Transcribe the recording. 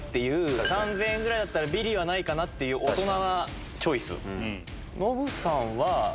３０００円ぐらいだったらビリはないって大人なチョイス。